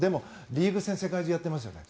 リーグ戦、世界中やってますよね